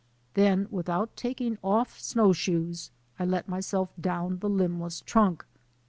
Then, without taking off snowshoes, I let myself down the limbless trunk.